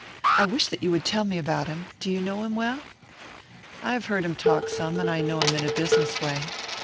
"I wish that you would tell me about him. Do you know him well?" "I have heard him talk some, and I know him in a business way."